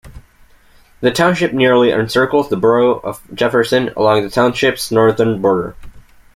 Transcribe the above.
The township nearly encircles the borough of Jefferson, along the township's northern border.